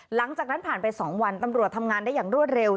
หลังจากนั้นผ่านไป๒วันตำรวจทำงานได้อย่างรวดเร็ว